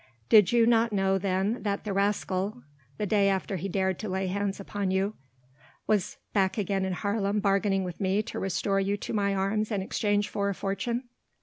Did you not know then that the rascal the day after he dared to lay hands upon you was back again in Haarlem bargaining with me to restore you to my arms in exchange for a fortune?"